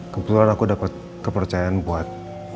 kebetulan aku dapat kepercayaan buat